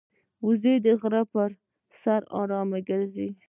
وزې د غره پر سر آرامه ګرځي